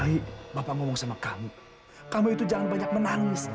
ayo bapak ngomong sama kamu kamu itu jangan banyak menangis